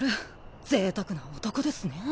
贅沢な男ですねぇ。